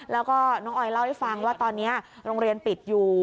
แล้วก็น้องออยเล่าให้ฟังว่าตอนนี้โรงเรียนปิดอยู่